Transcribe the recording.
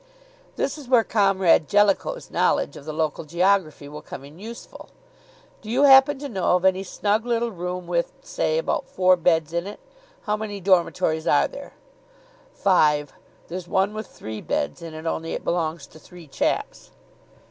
"This is where Comrade Jellicoe's knowledge of the local geography will come in useful. Do you happen to know of any snug little room, with, say, about four beds in it? How many dormitories are there?" "Five there's one with three beds in it, only it belongs to three chaps."